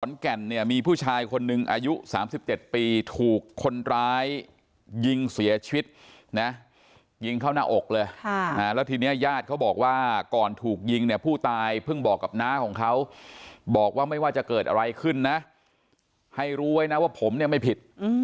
เนี่ยมีผู้ชายคนนึงอายุ๓๗ปีถูกคนร้ายยิงเสียชีวิตนะยิงเข้าหน้าอกเลยแล้วทีนี้ญาติเขาบอกว่าก่อนถูกยิงเนี่ยผู้ตายเพิ่งบอกกับน้าของเขาบอกว่าไม่ว่าจะเกิดอะไรขึ้นนะให้รู้ไว้นะว่าผมเนี่ยไม่ผิด